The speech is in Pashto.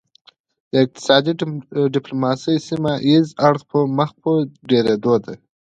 د اقتصادي ډیپلوماسي سیمه ایز اړخ مخ په ډیریدو دی